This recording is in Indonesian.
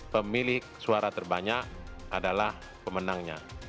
pemilik suara terbanyak adalah pemenangnya